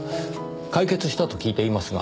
解決したと聞いていますが。